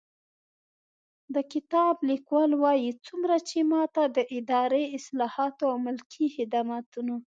د کتاب لیکوال وايي، څومره چې ما ته د اداري اصلاحاتو او ملکي خدمتونو